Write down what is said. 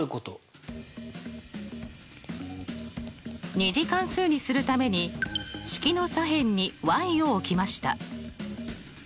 ２次関数にするために式の左辺にを置きました。